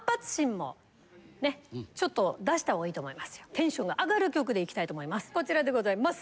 テンションが上がる曲で行きたいと思います